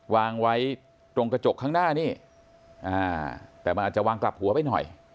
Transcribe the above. วางไว้ตรงกระจกข้างหน้านี่แต่มันอาจจะวางกลับหัวไปหน่อย